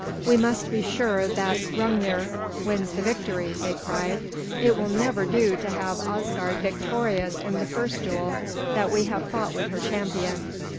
"We must be sure that Hrungnir wins the victory!" they cried. "It will never do to have Asgard victorious in the first duel that we have fought with her champion.